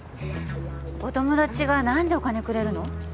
お友達が何でお金くれるの？